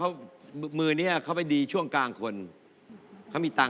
อ่ะอ่ะก่อนต่อแบตไม่ได้เอานั่นไว้ก่อน